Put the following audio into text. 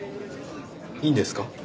いいんですか？